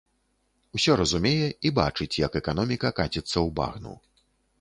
Усё разумее, і бачыць, як эканоміка каціцца ў багну.